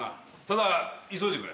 ただ急いでくれ。